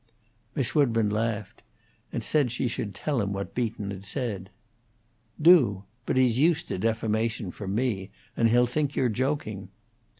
Miss Woodburn laughed, and said she should tell him what Beaton had said. "Do. But he's used to defamation from me, and he'll think you're joking."